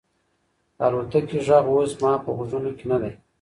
د الوتکې غږ اوس زما په غوږونو کې نه دی.